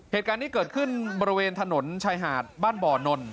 เหตุการณ์นี้เกิดขึ้นบริเวณถนนชายหาดบ้านบ่อนน